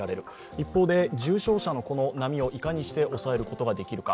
一方で、重症者の波をいかにし抑えることができるか。